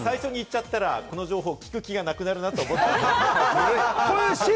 最初に言っちゃったら、この情報を聞く気がなくなるなと思って。